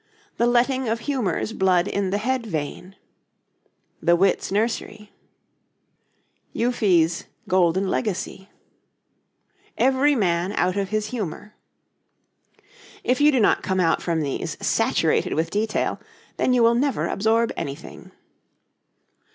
'The Letting of Humours Blood in the Head Vaine.' 'The Wits Nurserie.' Euphues' 'Golden Legacie.' 'Every Man out of his Humour.' If you do not come out from these saturated with detail then you will never absorb anything.